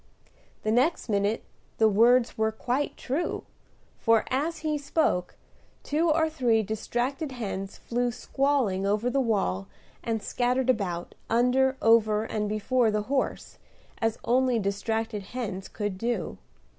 The next minute the words were quite true; for, as he spoke, two or three distracted hens flew squalling over the wall and scattered about, under, over, and before the horse, as only distracted hens could do.